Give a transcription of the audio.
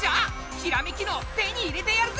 ひらめき脳手に入れてやるぜ！